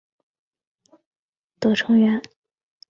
玛哈希力是布和贺喜格蒙古文学会最初的成员。